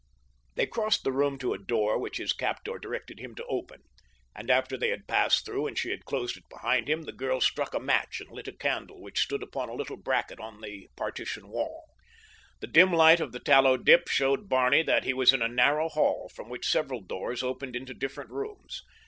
They crossed the room to a door which his captor directed him to open, and after they had passed through and she had closed it behind them the girl struck a match and lit a candle which stood upon a little bracket on the partition wall. The dim light of the tallow dip showed Barney that he was in a narrow hall from which several doors opened into different rooms.